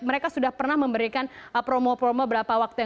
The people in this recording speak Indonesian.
mereka sudah pernah memberikan promo promo berapa waktu yang